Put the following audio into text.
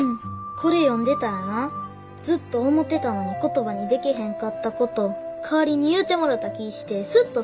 これ読んでたらなずっと思てたのに言葉にでけへんかったこと代わりに言うてもろた気ぃしてスッとすんねん。